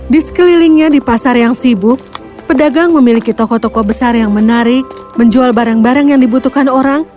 di sekelilingnya di pasar yang sibuk pedagang memiliki toko toko besar yang menarik menjual barang barang yang dibutuhkan orang